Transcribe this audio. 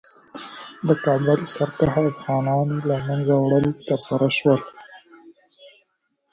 د کابل سرکښه افغانانو له منځه وړل ترسره شول.